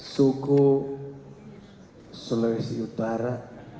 suku sulawesi utara